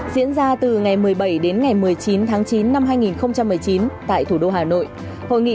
diễn ra từ ngày một mươi bảy đến ngày một mươi chín tháng chín năm hai nghìn một mươi chín tại thủ đô hà nội hội nghị